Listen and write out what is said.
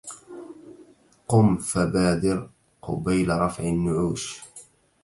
قم فبادر قبيل رفع النعوش